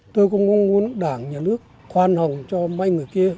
tôi cũng mong muốn đảng nhà nước khoan hồng cho mấy người kia